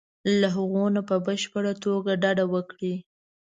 له هغو نه په بشپړه توګه ډډه وکړي.